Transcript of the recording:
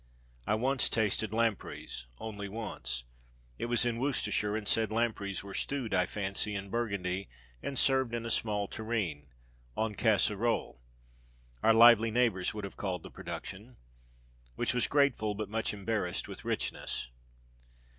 I once tasted lampreys only once. It was in Worcestershire, and said lampreys were stewed (I fancy) in burgundy, and served in a small tureen en casserole, our lively neighbours would have called the production, which was grateful, but much embarrassed with richness.